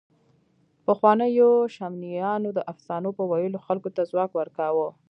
پخوانيو شمنیانو د افسانو په ویلو خلکو ته ځواک ورکاوه.